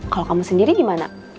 kalau kamu sendiri gimana